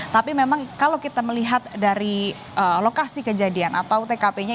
tapi memang kalau kita melihat dari lokasi kejadian atau tkp nya